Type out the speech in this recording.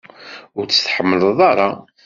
Ur tt-tḥemmleḍ ara?